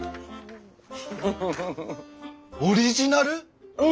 オリジナル⁉うん。